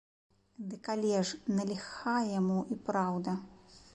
Дык але ж, на ліха яму, і праўда.